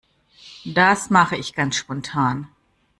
Das mache ich ganz spontan.